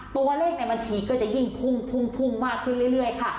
ตัวเลขในบัญชีก็จะยิ่งพุ่งพุ่งมากขึ้นเรื่อยค่ะ